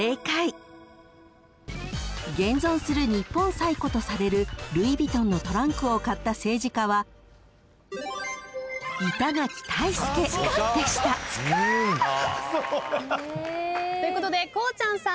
［現存する日本最古とされるルイ・ヴィトンのトランクを買った政治家は］ということでこうちゃんさん